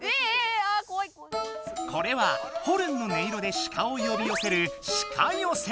これはホルンの音色で鹿を呼び寄せる「鹿寄せ」。